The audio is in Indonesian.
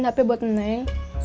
tapi bapak masih belum beliin